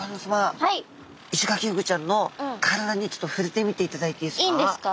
イシガキフグちゃんの体にちょっとふれてみていただいていいですか？